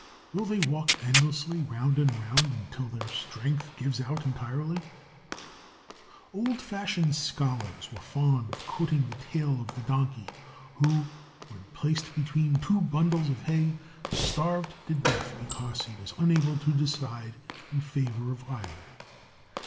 Will they walk endlessly round and round until their strength gives out entirely? Old fashioned scholars were fond of quoting the tale of the Donkey who, when placed between two bundles of hay, starved to death because he was unable to decide in favor of either.